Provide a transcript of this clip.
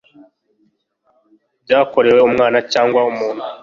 byakorewe umwana cyangwa umuntu